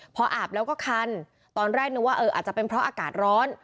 พออาบแล้วก็คันตอนแรกนึกว่าเอออาจจะเป็นเพราะอากาศร้อน